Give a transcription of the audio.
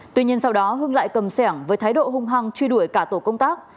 tuy nhiên sau đó hưng lại cầm sẻng với thái độ hung hăng truy đuổi cả tổ công tác